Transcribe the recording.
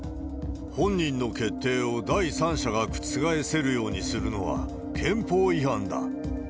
本人の決定を第三者が覆せるようにするのは憲法違反だ。